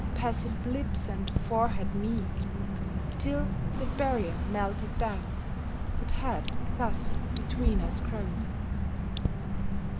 Passive lips and forehead meek, Till the barrier melted down That had thus between us grown.